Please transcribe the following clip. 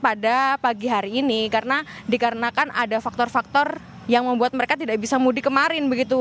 pada pagi hari ini karena dikarenakan ada faktor faktor yang membuat mereka tidak bisa mudik kemarin begitu